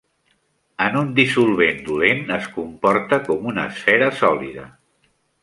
En un dissolvent dolent es comporta com una esfera sòlida.